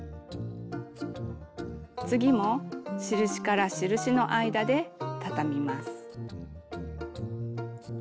次も印から印の間でたたみます。